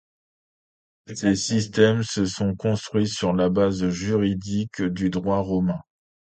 Ces systèmes se sont construits sur la base juridique du droit romain.